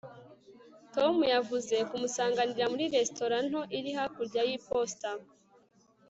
tom yavuze kumusanganira muri resitora nto iri hakurya y'iposita